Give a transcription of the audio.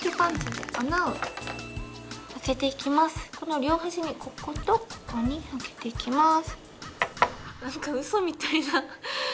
この両端にこことここに開けていきます。